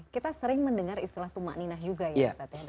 kita sering mendengar istilah tumma nina juga ya